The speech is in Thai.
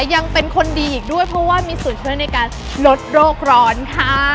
ยังเป็นคนดีอีกด้วยเพราะว่ามีส่วนช่วยในการลดโรคร้อนค่ะ